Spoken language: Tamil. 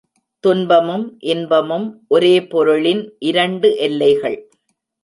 துன்பமும் இன்பமும் ஒரே பொருளின் இரண்டு எல்லைகள்.